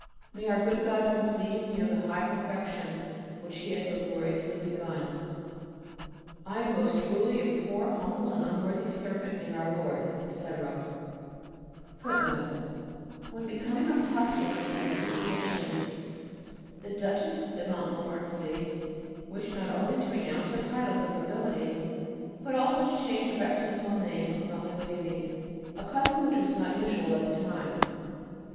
May our good God complete in you the high perfection which He has so gloriously begun. I am most truly your poor humble and unworthy servant in Our Lord, etc. FOOTNOTE: [A] When becoming a postulant at the Visitation, the Duchess de Montmorency wished not only to renounce her titles of nobility, but also to change her baptismal name of Marie Félice, a custom which was not usual at that time.